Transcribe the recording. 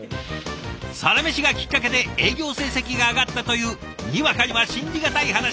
「サラメシ」がきっかけで営業成績が上がったというにわかには信じ難い話。